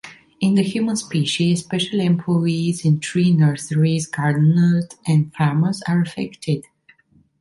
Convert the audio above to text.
In the human specie, especially employees in tree nurseries, gardeners, and farmers are affected.